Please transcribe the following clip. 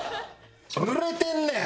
濡れてんねん！